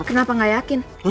kenapa nggak yakin